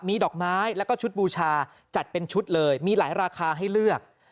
มีดอกไม้แล้วก็ชุดบูชาจัดเป็นชุดเลยมีหลายราคาให้เลือก